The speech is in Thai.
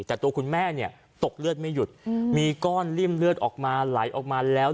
แต่ตัวคุณแม่เนี่ยตกเลือดไม่หยุดมีก้อนริ่มเลือดออกมาไหลออกมาแล้ว